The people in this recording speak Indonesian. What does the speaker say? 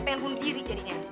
pengen bunuh diri jadinya